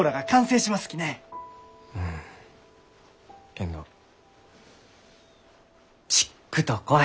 けんどちっくと怖い。